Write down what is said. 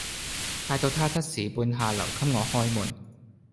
拜託她七時半下樓給我開門